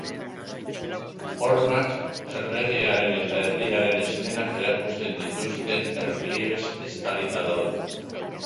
Hormak erregearen eta herriaren eszenak erakusten dituzten erliebez estalita daude.